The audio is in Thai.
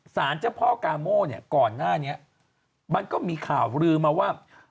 สารเจ้าพ่อกาโม่เนี่ยก่อนหน้านี้มันก็มีข่าวลือมาว่า